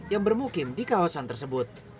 yang bermukim di kawasan tersebut